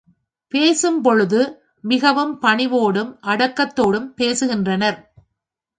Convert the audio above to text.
பேசும் பொழுது மிகவும் பணிவோடும் அடக்கத்தோடும் பேசுகின்றனர்.